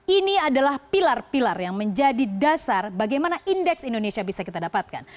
ini adalah pilar pilar yang menjadi dasar bagaimana indeks indonesia bisa kita dapatkan